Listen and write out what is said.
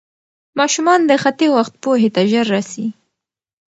ماشومان د خطي وخت پوهې ته ژر رسي.